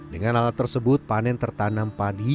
dengan alat tersebut panen tertanam padi